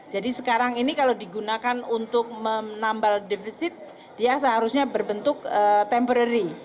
jadi sekarang ini kalau digunakan untuk menambal defisit dia seharusnya berbentuk temporary